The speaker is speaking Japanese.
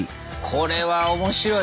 これは面白いね。